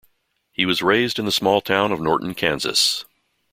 He was raised in the small town of Norton, Kansas.